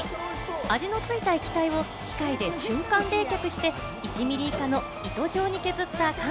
味のついた液体を機械で瞬間冷却して１ミリ以下の糸状に削った韓